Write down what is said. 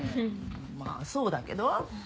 まあそうだけど。